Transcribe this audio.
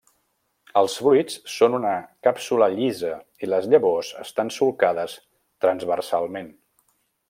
Els fruits són una càpsula llisa i les llavors estan solcades transversalment.